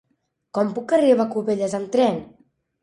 Com puc arribar a Cubelles amb tren?